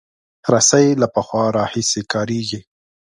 رسۍ له پخوا راهیسې کارېږي.